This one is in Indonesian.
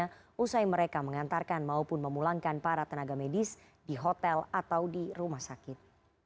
karena usai mereka mengantarkan maupun memulangkan para tenaga medis di hotel atau di rumah sakit